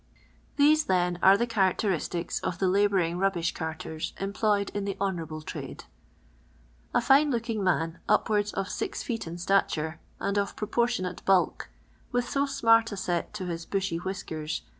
Th<»e, then, arc the characteristics of the labiiurini; rubbish carters employed in the honour able trail e. A nne li»r»kint; man, upward.^ of mx ffrt in stature anil of proporiionat'' bulk, with so sninrc a !k t t'» hi. » bushy whisk« rs.